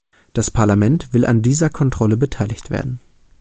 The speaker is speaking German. Das Parlament will an dieser Kontrolle beteiligt werden.